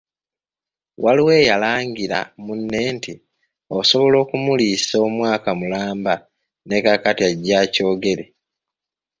Waliwo eyalangira munne nti asobola okumuliisa omwaka mulamba ne kaakati ajje akyogere.